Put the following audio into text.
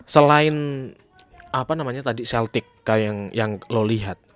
selain apa namanya tadi celtik yang lo lihat